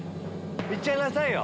いっちゃいなさいよ！